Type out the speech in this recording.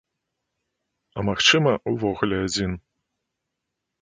А магчыма, увогуле адзін.